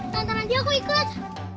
tante ranti aku ikut